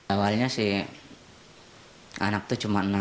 awalnya sih anak itu cuma enam